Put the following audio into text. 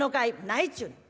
「ないっちゅうに。